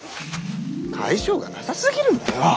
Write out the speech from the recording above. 甲斐性がなさすぎるんだよ！